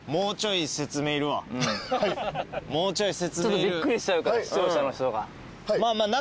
ちょっとびっくりしちゃうから視聴者の人が。